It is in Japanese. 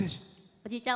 おじいちゃん